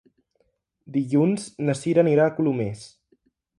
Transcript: Dilluns na Sira anirà a Colomers.